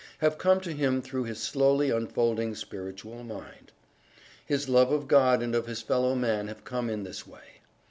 have come to him through his slowly unfolding Spiritual Mind. His love of God and of his fellow man have come in this way.